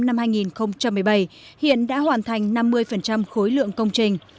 năm hai nghìn một mươi bảy hiện đã hoàn thành năm mươi khối lượng công trình